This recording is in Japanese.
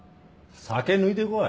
酒抜いてこい。